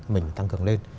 mình tăng cường lên